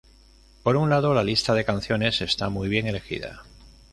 Por un lado, la lista de canciones está muy bien elegida.